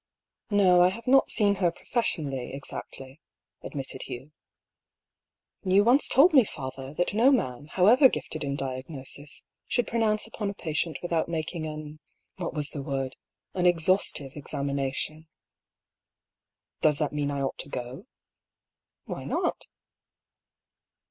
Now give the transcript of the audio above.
" No, I have not seen her professionally, exactly," admitted Hugh. " You once told me, father, that no man, however gifted in diagnosis, should pronounce upon a patient without making an — what was the word ?— an exhaustive examination." " Does that mean I ought to go ?"" Why not